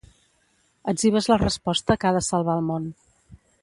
Etzibes la resposta que ha de salvar el món.